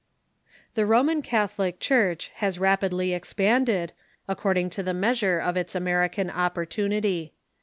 The Roman Catholic Church has rapidly expanded, according to the measure of its American opportunity.